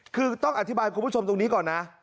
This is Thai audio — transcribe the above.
คือต้องอธิบายคุณผู้ชมตรงนี้ก่อนนะ